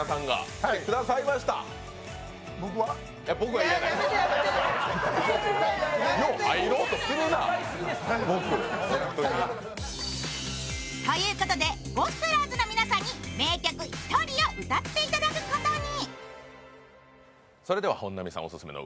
僕はじゃない。ということでゴスペラーズの皆さんに名曲「ひとり」を歌っていただくことに。